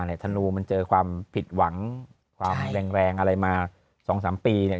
มาเนี่ยธนูมันเจอความผิดหวังความแรงอะไรมาสองสามปีเนี่ย